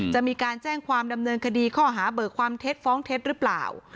จะมีการแจ้งความดำเนินคดีข้อหาเบิกความเท็จฟ้องเท็จหรือเปล่า